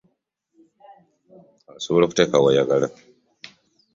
Osobola okunteka woyagala.